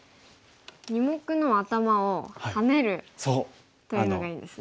二目のアタマをハネるというのがいいんですね。